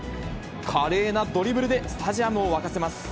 華麗なドリブルで、スタジアムを沸かせます。